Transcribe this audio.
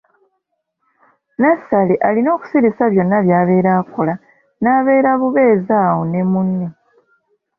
Nassali alina okusirisa byonna by'abeera akola n'abeera bubeezi awo ne munne.